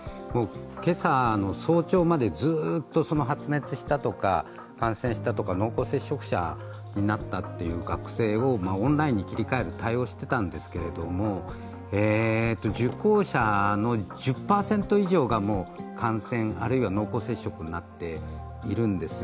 今朝の早朝までずっと発熱したとか感染したとか濃厚接触者になったっていう学生をオンラインに切り替える対応をしていたんですけれども受講者の１０％以上が感染、あるいは濃厚接触者になっているんです。